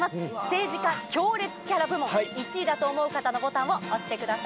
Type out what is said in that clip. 政治家強烈キャラ部門１位だと思う方のボタンを押してください。